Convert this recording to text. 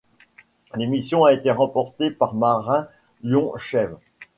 L'émission a été remportée par Marin Yonchev.